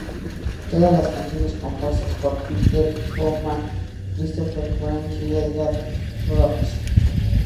Todas las canciones compuestas por Peter Baumann, Christopher Franke y Edgar Froese.